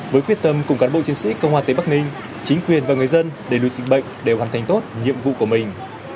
với quyết tâm cùng cán bộ chiến sĩ công an tây bắc ninh chính quyền và người dân để lùi dịch bệnh để hoàn thành tốt nhiệm vụ của mình